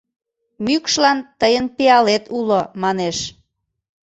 Мӱкшлан тыйын пиалет уло, манеш.